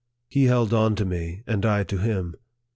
He held on to me, and I to him.